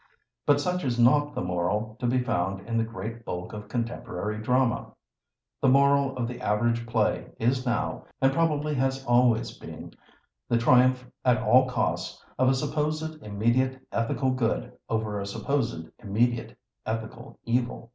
But such is not the moral to be found in the great bulk of contemporary Drama. The moral of the average play is now, and probably has always been, the triumph at all costs of a supposed immediate ethical good over a supposed immediate ethical evil.